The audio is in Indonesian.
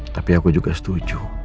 tapi aku juga setuju